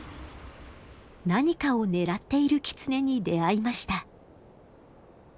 何かを狙っているキツネに出会いました。